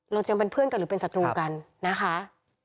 เราจะยังเป็นเพื่อนกันหรือเป็นสัตว์ตรงกันนะคะ